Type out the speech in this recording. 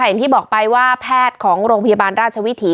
อย่างที่บอกไปว่าแพทย์ของโรงพยาบาลราชวิถี